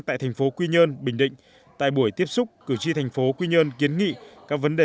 tại thành phố quy nhơn bình định tại buổi tiếp xúc cử tri thành phố quy nhơn kiến nghị các vấn đề